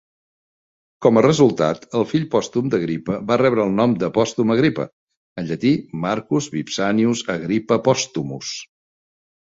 Com a resultat, el fill pòstum d'Agripa va rebre el nom de Pòstum Agripa (en llatí, Marcus Vipsanius Agrippa Postumus).